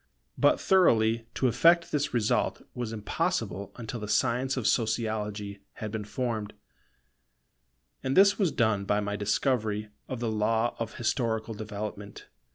But thoroughly to effect this result was impossible until the science of Sociology had been formed; and this was done by my discovery of the law of historical development.